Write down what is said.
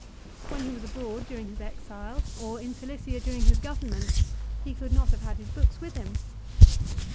When he was abroad during his exile, or in Cilicia during his government, he could not have had his books with him.